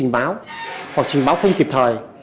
trình báo hoặc trình báo không kịp thời